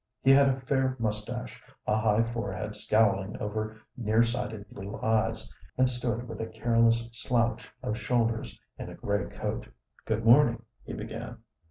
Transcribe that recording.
He had a fair mustache, a high forehead scowling over near sighted blue eyes, and stood with a careless slouch of shoulders in a gray coat. "Good morning," he began.